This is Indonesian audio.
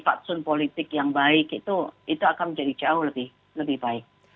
faksun politik yang baik itu akan menjadi jauh lebih baik